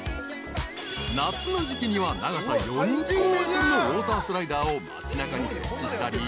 ［夏の時季には長さ４０ｍのウオータースライダーを町なかに設置したり］